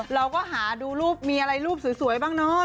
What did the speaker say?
เราก็หาดูรูปมีอะไรรูปสวยบ้างเนอะ